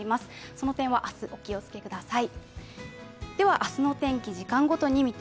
その点は明日、お気をつけください。